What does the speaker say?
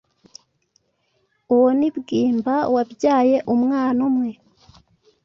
Uwo ni Bwimba wabyaye umwana-umwe